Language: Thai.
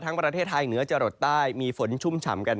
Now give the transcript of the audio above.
ประเทศไทยเหนือจรดใต้มีฝนชุ่มฉ่ำกัน